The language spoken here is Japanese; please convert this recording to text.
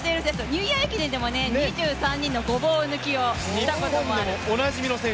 ニューイヤー駅伝でも２３人のごぼう抜きを見たこともある。